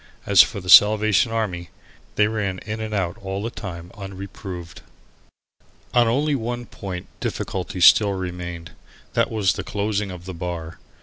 As for the Salvation Army, they ran in and out all the time unreproved. On only one point difficulty still remained. That was the closing of the bar.